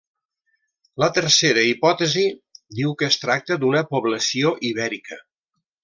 La tercera hipòtesi diu que es tracta d’una població ibèrica.